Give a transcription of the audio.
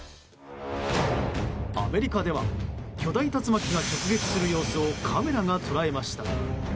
アメリカでは巨大竜巻が直撃する様子をカメラが捉えました。